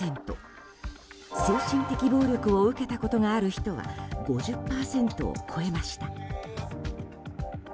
精神的暴力を受けたことがある人は５０％を超えました。